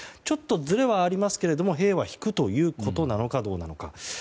ちょっとずれはありますけども兵は引くということなのかどうか。